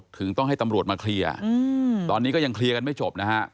ถึงต้องให้ตำรวจมาเคลียร์ตอนนี้ก็ยังเคลียร์กันไม่จบนะฮะ